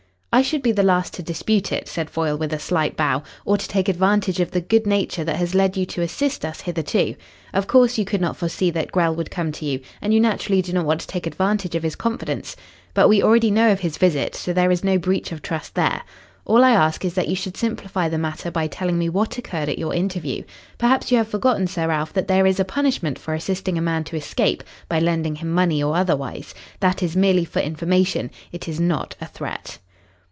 "I should be the last to dispute it," said Foyle, with a slight bow, "or to take advantage of the good nature that has led you to assist us hitherto. Of course you could not foresee that Grell would come to you, and you naturally do not want to take advantage of his confidence. But we already know of his visit, so there is no breach of trust there. All I ask is that you should simplify the matter by telling me what occurred at your interview. Perhaps you have forgotten, Sir Ralph, that there is a punishment for assisting a man to escape by lending him money or otherwise. That is merely for information. It is not a threat."